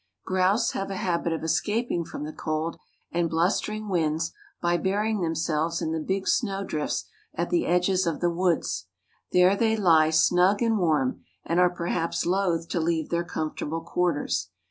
Grouse have a habit of escaping from the cold and blustering winds by burying themselves in the big snow drifts at the edges of the woods. There they lie snug and warm and are perhaps loath to leave their comfortable quarters.